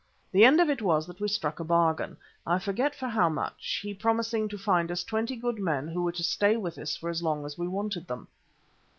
The end of it was that we struck a bargain, I forget for how much, he promising to find us twenty good men who were to stay with us for as long as we wanted them.